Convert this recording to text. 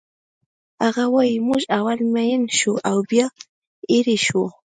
هغه وایی موږ اول مین شو او بیا ایرې شو